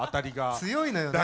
強いのよね。